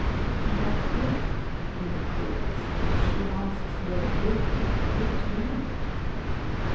"But if " with a pause, "she asks your all, what then?"